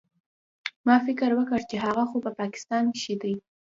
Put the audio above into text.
ما فکر وکړ چې هغه خو په پاکستان کښې دى.